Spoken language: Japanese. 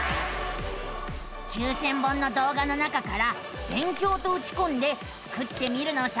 ９，０００本の動画の中から「勉強」とうちこんでスクってみるのさあ。